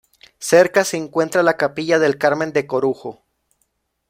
Cerca se encuentra la capilla del Carmen de Corujo.